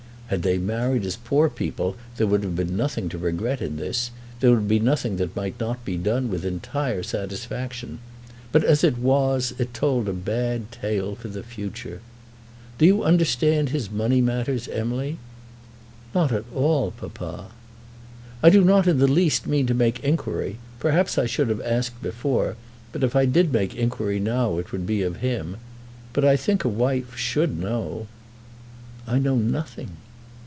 Had they married as poor people there would have been nothing to regret in this; there would be nothing that might not be done with entire satisfaction. But, as it was, it told a bad tale for the future! "Do you understand his money matters, Emily?" "Not at all, papa." "I do not in the least mean to make inquiry. Perhaps I should have asked before; but if I did make inquiry now it would be of him. But I think a wife should know." "I know nothing."